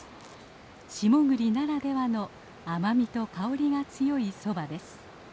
下栗ならではの甘みと香りが強いソバです。